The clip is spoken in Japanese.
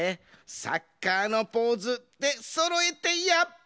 「サッカーのポーズ」でそろえてや！